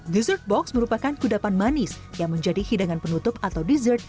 dessert box merupakan kudapan manis yang menjadi hidangan penutup atau dessert